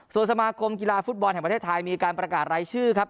ส่วนสมาคมกีฬาฟุตบอลแห่งประเทศไทยมีการประกาศรายชื่อครับ